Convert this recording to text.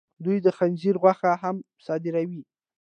دوی د خنزیر غوښه هم صادروي.